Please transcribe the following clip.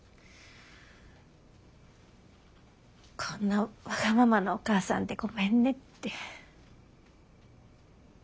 こんなわがままなお母さんでごめんねって。